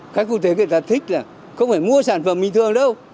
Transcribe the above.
khách cụ thể người ta thích là không phải mua sản phẩm bình thường đâu